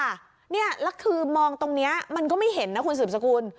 แล้วคือมองตรงนี้มันก็ไม่เห็นนะคุณสืบสกุล